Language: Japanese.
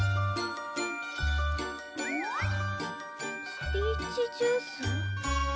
「スピーチジュース」？